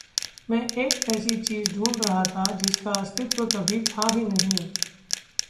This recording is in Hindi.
मैं एक ऐसी चीज़ ढूँढ रहा था जिसका अस्तित्व कभी था ही नहीं।